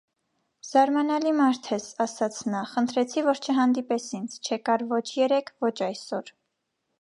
- Զարմանալի մարդ ես,- ասաց նա,- խնդրեցի, որ հանդիպես ինձ, չեկար ոչ երեկ, ոչ այսօր: